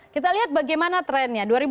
kita lihat bagaimana trendnya